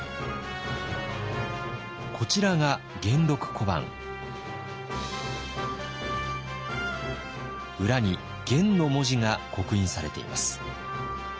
こちらが裏に「元」の文字が刻印されています。